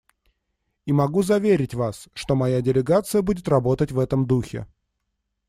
И могу заверить вас, что моя делегация будет работать в этом духе.